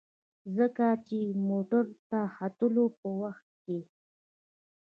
ځکه چې موټر ته د ختلو په وخت کې.